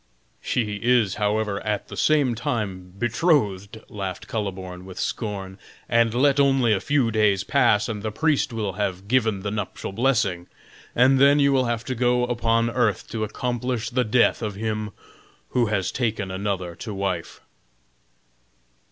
"He is, however, at the same time betrothed," laughed Kuhleborn, with scorn; "and let only a few days pass, and the priest will have given the nuptial blessing, and then you will have to go upon earth to accomplish the death of him who has taken another to wife."